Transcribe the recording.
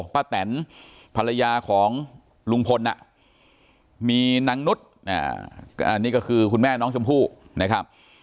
แตนภรรยาของลุงพลมีนางนุษย์อันนี้ก็คือคุณแม่น้องชมพู่นะครับ